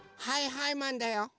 はいはいマンだよ！